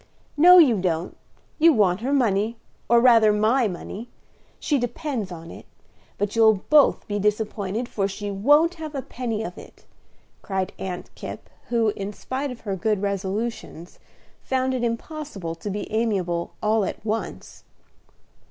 "No, you don't; you want her money, or rather my money. She depends on it; but you'll both be disappointed, for she won't have a penny of it," cried Aunt Kipp, who, in spite of her good resolutions, found it impossible to be amiable all at once.